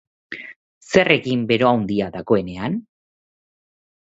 Zer egin bero handia dagoenean?